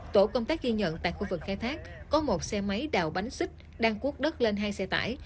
tổ công tác ghi nhận tại khu vực khai thác có một xe máy đào bánh xích đang cuốc đất lên hai xe tải